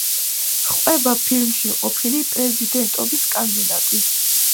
ჰყვება ფილმში ყოფილი პრეზიდენტობის კანდიდატი.